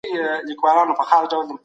دا د افغان دنده ده.